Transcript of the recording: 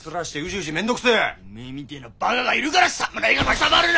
おめえみてえなバカがいるから侍がのさばるだ！